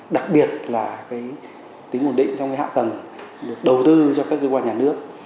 đặc biệt là tính ổn định trong hạ tầng được đầu tư cho các cơ quan nhà nước